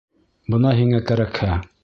Бына һиңә кәрәкһә...